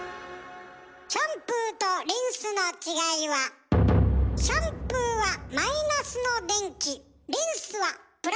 シャンプーとリンスの違いはシャンプーはマイナスの電気リンスはプラスの電気。